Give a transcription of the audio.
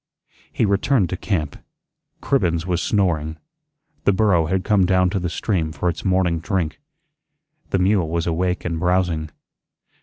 He returned to camp. Cribbens was snoring. The burro had come down to the stream for its morning drink. The mule was awake and browsing.